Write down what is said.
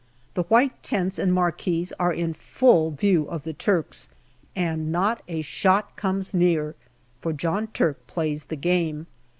The white tents and marquees are in full view of the Turks, and not a shot comes near, for John Turk plays the game.